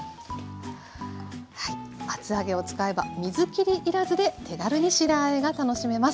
厚揚げを使えば水きり要らずで手軽に白あえが楽しめます。